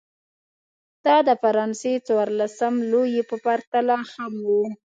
دا د فرانسې څوارلسم لويي په پرتله هم و.